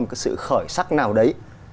một sự khởi sắc nào đấy